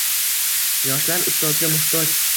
yoshlar ustozga muhtoj.